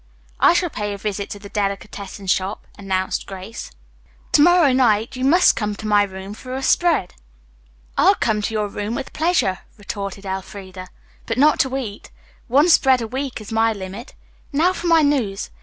"I shall pay a visit to the delicatessen shop," announced Grace. "To morrow night you must come to my room for a spread." "I'll come to your room with pleasure," retorted Elfreda, "but not to eat. One spread a week is my limit. Now for my news.